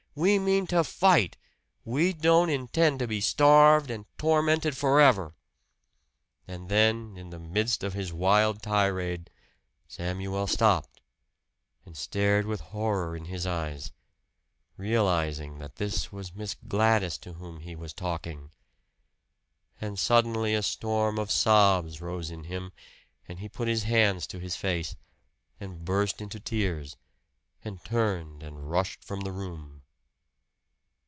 We mean to fight! We don't intend to be starved and tormented forever!" And then in the midst of his wild tirade, Samuel stopped, and stared with horror in his eyes realizing that this was Miss Gladys to whom he was talking! And suddenly a storm of sobs rose in him; and he put his hands to his face, and burst into tears, and turned and rushed from the room.